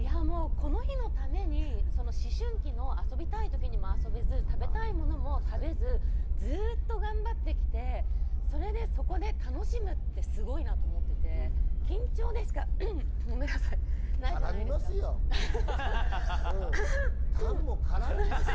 この日のために思春期の遊びたいときに遊べず、食べたいものも食べず、ずっと頑張ってきて、そこで楽しむってすごいなと思っていて、緊張でしかないじゃないですか。